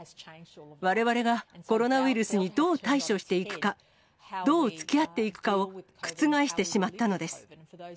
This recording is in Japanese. われわれがコロナウイルスにどう対処していくか、どうつきあっていくかを覆してしまったのです。